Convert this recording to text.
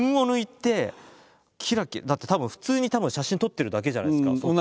だってたぶん普通に写真撮ってるだけじゃないですか。